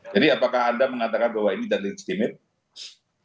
jadi apakah anda mengatakan bahwa ini tidak legitimate